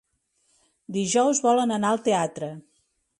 Dijous volen anar al teatre.